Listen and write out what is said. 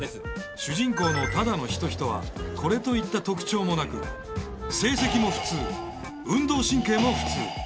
主人公の只野仁人はこれといった特徴もなく成績も普通運動神経も普通。